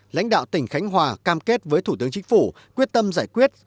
lãnh đạo tỉnh khánh hòa cam kết với thủ tướng chính phủ quyết tâm giải quyết